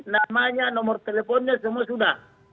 namanya nomor teleponnya semua sudah